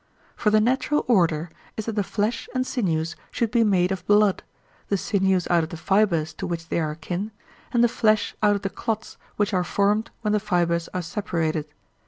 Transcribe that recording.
For the natural order is that the flesh and sinews should be made of blood, the sinews out of the fibres to which they are akin, and the flesh out of the clots which are formed when the fibres are separated.